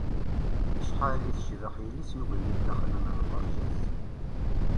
Acḥal i tecbeḥ yelli-s n ugellid daxel n lberǧ-is.